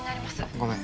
ごめん。